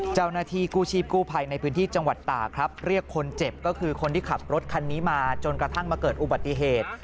เจ้าหน้าที่กู้ชีพกู้ภัยในพื้นที่จังหวัดตากครับเรียกคนเจ็บก็คือคนที่ขับรถคันนี้มาจนกระทั่งมาเกิดอุบัติเหตุ